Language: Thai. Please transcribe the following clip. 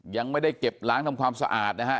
ยังไม่ได้เก็บล้างทำความสะอาดนะฮะ